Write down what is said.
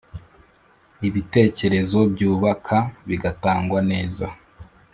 ibitekerezo byubaka bigatangwa neza